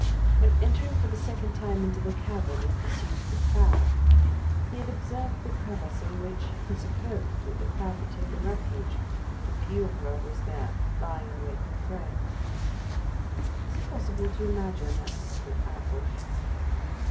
When entering for the second time into the cavern in pursuit of the crab, he had observed the crevice in which he supposed that the crab had taken refuge, the pieuvre was there lying in wait for prey. Is it possible to imagine that secret ambush?